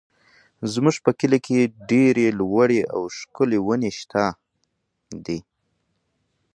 زموږ په کلي کې ډېرې لوړې او ښکلې ونې شته دي.